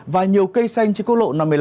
và nhiều cây xanh trên quốc lộ năm mươi năm